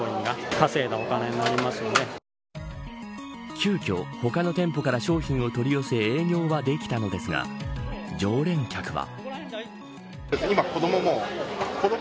急きょ他の店舗から商品を取り寄せ営業はできたのですが常連客は。